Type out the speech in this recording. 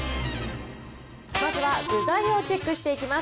まずは具材をチェックしていきます。